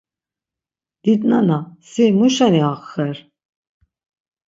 Didnana, si muşeni hak xer?